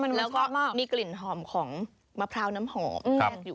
มันเหมือนหอมของมะพร้าวน้ำหอม